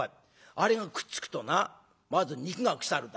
あれがくっつくとなまず肉が腐るだろう？